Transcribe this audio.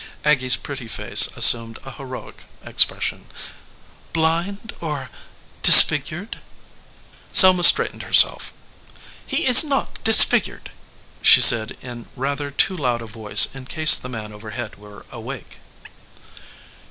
Aggy s pretty face assumed a heroic expression. "Blind, or disfigured?" Selma straightened herself. "He is not dis figured," she said in rather too loud a voice in case the man overhead were awake.